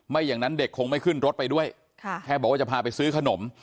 อย่างนั้นเด็กคงไม่ขึ้นรถไปด้วยแค่บอกว่าจะพาไปซื้อขนม